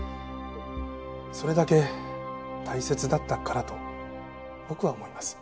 それだけ大切だったからと僕は思います。